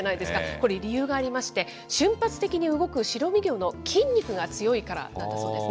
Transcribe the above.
これ、理由がありまして、瞬発的に動く白身魚の筋肉が強いからなんだそうなんですね。